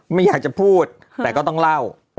ไม่อยากจะพูดแต่ก็ต้องเล่า